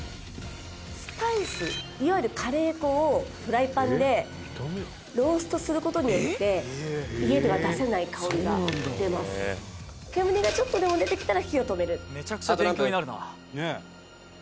「スパイスいわゆるカレー粉をフライパンでローストする事によって家では出せない香りが出ます」「煙がちょっとでも出てきたら火を止める」